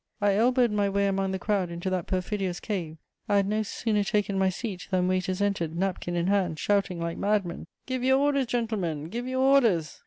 I elbowed my way among the crowd into that perfidious cave: I had no sooner taken my seat than waiters entered, napkin in hand, shouting like mad men "Give your orders, gentlemen, give your orders!"